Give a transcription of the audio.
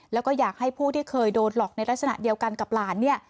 แล้วก็อยากให้ผู้ที่เคยโดนหลอกในลักษณะเดียวกันกับหลานเนี่ย